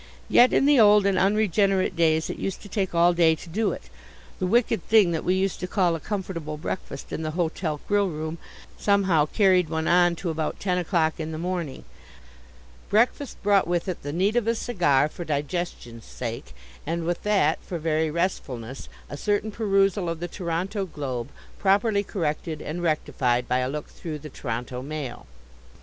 Yet in the old and unregenerate days it used to take all day to do it: the wicked thing that we used to call a comfortable breakfast in the hotel grill room somehow carried one on to about ten o'clock in the morning. Breakfast brought with it the need of a cigar for digestion's sake and with that, for very restfulness, a certain perusal of the Toronto Globe, properly corrected and rectified by a look through the Toronto Mail.